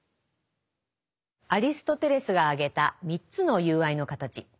アリストテレスが挙げた３つの友愛の形。